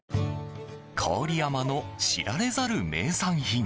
郡山の知られざる名産品。